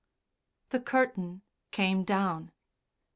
The curtain came down.